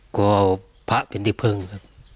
เกราะพระเป็นที่เพิงครับ